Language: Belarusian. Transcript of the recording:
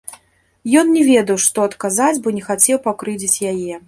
Ён не ведаў, што адказаць, бо не хацеў пакрыўдзіць яе.